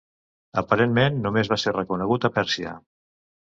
Aparentment només va ser reconegut a Pèrsia.